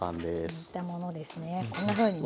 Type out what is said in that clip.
煮たものですね。